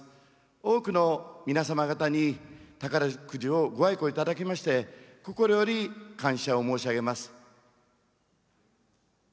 多くの皆様方に宝くじをご愛顧いただきまして心より感謝を申し上げます。